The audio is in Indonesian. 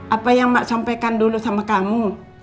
apa yang mbak sampaikan dulu sama kamu